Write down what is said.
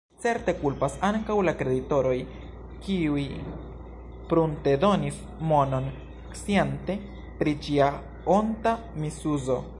Certe kulpas ankaŭ la kreditoroj, kiuj pruntedonis monon, sciante pri ĝia onta misuzo.